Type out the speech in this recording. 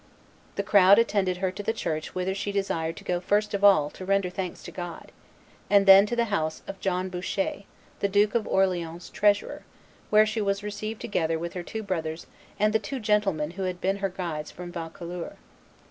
The crowd attended her to the church whither she desired to go first of all to render thanks to God, and then to the house of John Boucher, the Duke of Orleans's treasurer, where she was received together with her two brothers and the two gentlemen who had been her guides from Vaucouleurs.